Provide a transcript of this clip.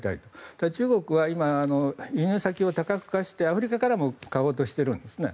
ただ中国は今輸入先を多角化してアフリカからも買おうとしているんですね。